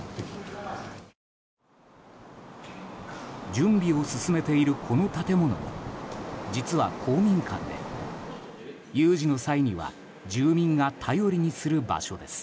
準備を進めているこの建物も実は公民館で有事の際には住民が頼りにする場所です。